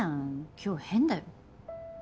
今日変だよ。